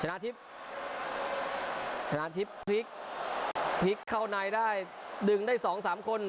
นาทิพย์ชนะทิพย์พลิกพลิกเข้าในได้ดึงได้สองสามคน